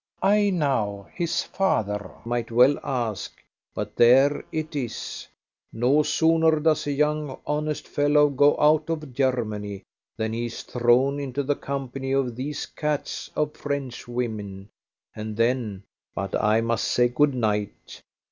I now, his father, might well ask; but there it is, no sooner does a young honest fellow go out of Germany than he is thrown into the company of these cats of Frenchwomen, and then but I must say good night.